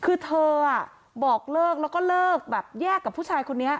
คือเธอบอกเลิกแล้วก็เลิกแบบแยกกับผู้ชายคนนี้